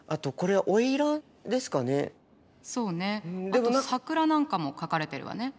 あと桜なんかも描かれてるわね。